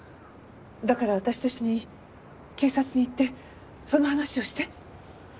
だから私と一緒に警察に行ってその話をして。